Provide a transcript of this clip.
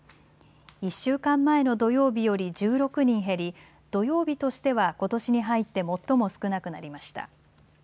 １週間前の土曜日より１６人減り土曜日としてはことしに入って最も少なくなりました。